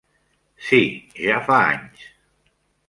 Sí, ja fa anys.